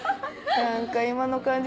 何か今の感じ